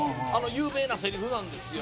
有名なセリフなんですよ